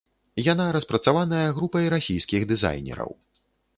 Яна распрацаваная групай расійскіх дызайнераў.